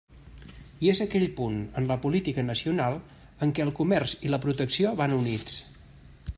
I és aquell punt en la política nacional en què el comerç i la protecció van units.